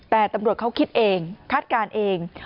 แต่ตำรวจเขาคิดเองคาดการณ์เอง